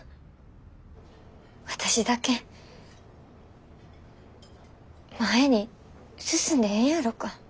私だけ前に進んでええんやろか。